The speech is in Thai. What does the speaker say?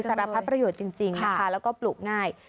สารพัดประโยชน์จริงนะคะแล้วก็ปลูกง่าย